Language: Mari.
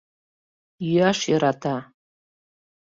Йӱаш йӧрата.